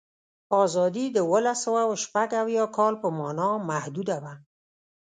آزادي د اوولسسوهشپږاویا کال په معنا محدوده وه.